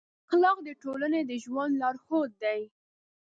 اخلاق د ټولنې د ژوند لارښود دي.